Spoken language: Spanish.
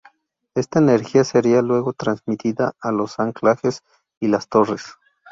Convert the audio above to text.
Esta energía sería luego transmitida a los anclajes y las torres.